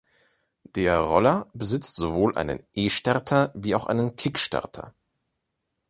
Der Roller besitzt sowohl einen E-Starter, wie auch einen Kickstarter.